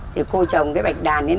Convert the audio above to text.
thì cô trồng cái bạch đàn